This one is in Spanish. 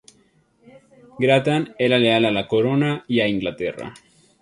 Grattan era leal a la corona y a Inglaterra.